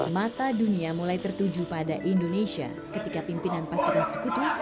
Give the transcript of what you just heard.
mata dunia mulai tertuju pada indonesia ketika pimpinan pasukan sekutu